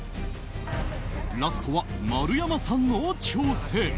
ラストは丸山さんの挑戦。